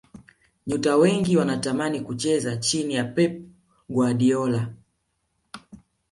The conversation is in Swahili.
nyota wengi wanatamani kucheza chini ya pep guardiola